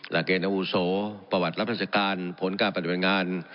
ราเกณฑ์อุโสประวัติรับทรัศกาลผลกล้าประดับงาน